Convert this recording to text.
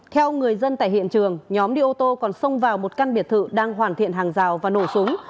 theo người dân tại hiện trường nhóm đi ô tô còn xông vào một căn biệt thự đang hoàn thiện hàng rào và nổ súng